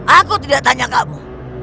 aku tidak tanya kamu